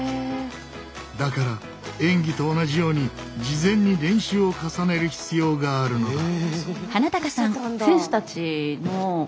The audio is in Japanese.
だから演技と同じように事前に練習を重ねる必要があるのだ。